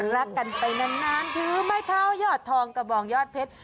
รักกันไปนานถือไม้เท้ายอดทองกระบองยอดเพชร